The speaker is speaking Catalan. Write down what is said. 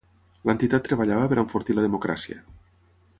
L'entitat treballava per enfortir la democràcia.